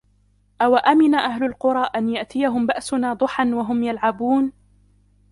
أوأمن أهل القرى أن يأتيهم بأسنا ضحى وهم يلعبون